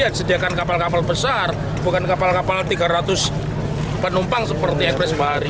ya disediakan kapal kapal besar bukan kapal kapal tiga ratus penumpang seperti yang bersebar